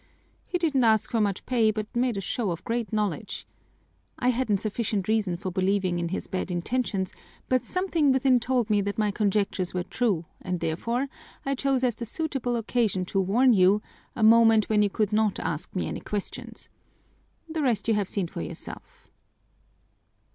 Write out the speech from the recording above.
He didn't ask for much pay but made a show of great knowledge. I hadn't sufficient reason for believing in his bad intentions, but something within told me that my conjectures were true and therefore I chose as the suitable occasion to warn you a moment when you could not ask me any questions. The rest you have seen for yourself."